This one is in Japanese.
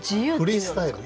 フリースタイル。